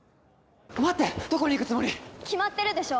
待ってどこに行くつもり？決まってるでしょ